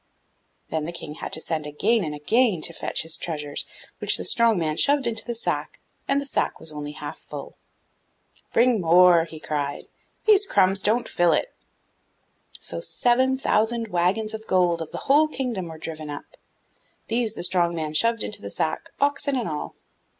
Then the King had to send again and again to fetch his treasures, which the strong man shoved into the sack, and the sack was only half full. 'Bring more,' he cried, 'these crumbs don't fill it.' So seven thousand waggons of the gold of the whole kingdom were driven up; these the strong man shoved into the sack, oxen and all.